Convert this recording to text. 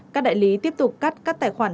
các đại lý tiếp tục cắt các tài khoản